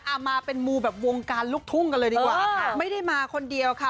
เอามาเป็นมูแบบวงการลูกทุ่งกันเลยดีกว่าค่ะไม่ได้มาคนเดียวค่ะ